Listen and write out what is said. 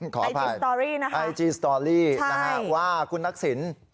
ขออภัยไอจีสโตรี่นะครับใช่ว่าคุณนักศิลป์